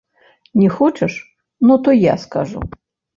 Не хочаш, ну, то я скажу.